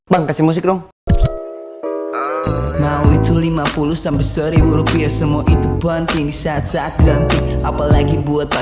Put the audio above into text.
bang kasih musik dong mau itu lima puluh sepuluh ribu rupiah semua itu penting saat saat ganti apalagi buat